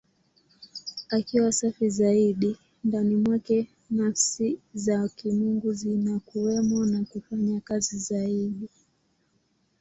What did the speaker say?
Akiwa safi zaidi, ndani mwake Nafsi za Kimungu zinakuwemo na kufanya kazi zaidi.